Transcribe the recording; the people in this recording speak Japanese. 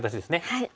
はい。